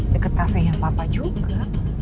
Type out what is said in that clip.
deket cafe yang papa juga